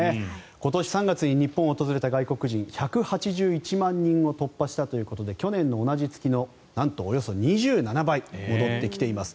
今年３月に日本を訪れた外国人１８１万人を突破したということで去年の同じ月のなんとおよそ２７倍戻ってきています。